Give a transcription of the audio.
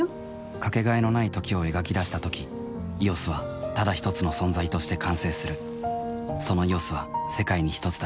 かけがえのない「時」を描き出したとき「ＥＯＳ」はただひとつの存在として完成するその「ＥＯＳ」は世界にひとつだ